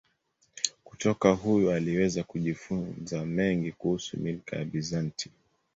Kutoka huyu aliweza kujifunza mengi kuhusu milki ya Bizanti.